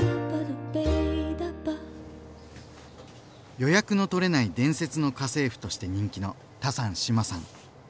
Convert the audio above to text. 「予約のとれない伝説の家政婦」として人気のタサン志麻さん。